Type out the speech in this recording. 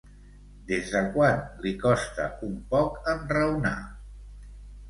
Des de quan li costa un poc enraonar?